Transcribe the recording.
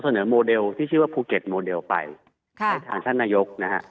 โมเดลที่ชื่อว่าภูเก็ตโมเดลไปให้ทางท่านนายกนะฮะ